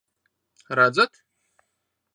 Redzat?